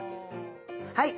はい。